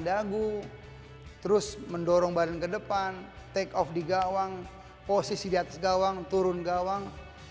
dagu terus mendorong badan ke depan take off di gawang posisi di atas gawang turun gawang